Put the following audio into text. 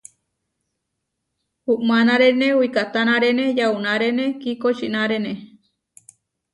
Umánarene wikahtánarene yaunárene kikočinaréne.